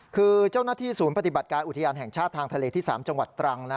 คือเจ้าหน้าที่ศูนย์ปฏิบัติการอุทยานแห่งชาติทางทะเลที่๓จังหวัดตรังนะ